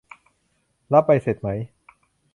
รับใบเสร็จไหม